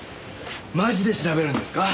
マジで調べるんですか？